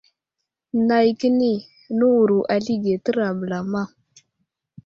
Nay kəni nəwuro alige tera bəlama.